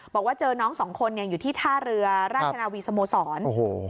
บอกว่าเจอน้องสองคนอยู่ที่ท่าเรือราชนาวีสโมสรโอ้โห